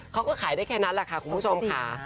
เขาก็ขายได้แค่นั้นแหละค่ะคุณผู้ชมค่ะ